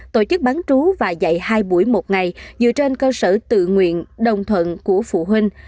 tổ chức bán trú và dạy hai buổi một ngày dựa trên cơ sở tự nguyện đồng thuận của phụ huynh